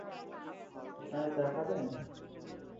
আপনারা চা খাবেন?